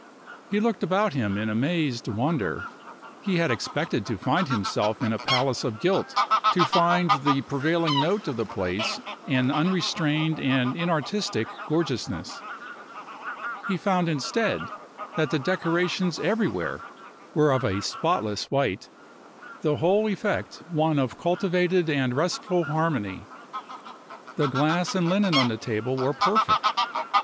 He looked about him in amazed wonder. He had expected to find himself in a palace of gilt, to find the prevailing note of the place an unrestrained and inartistic gorgeousness. He found instead that the decorations everywhere were of spotless white, the whole effect one of cultivated and restful harmony. The glass and linen on the table were perfect.